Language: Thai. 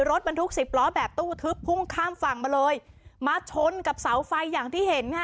รถบรรทุกสิบล้อแบบตู้ทึบพุ่งข้ามฝั่งมาเลยมาชนกับเสาไฟอย่างที่เห็นค่ะ